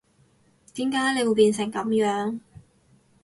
點解你會變成噉樣